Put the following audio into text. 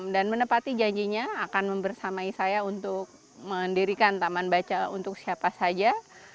dan menepati janjinya akan membersamai saya untuk mendirikan taman baca untuk siapa saja